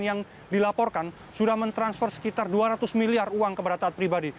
yang dilaporkan sudah mentransfer sekitar dua ratus miliar uang kepada taat pribadi